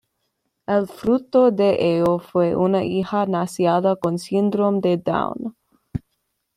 El fruto de ello fue una hija nacida con síndrome de down.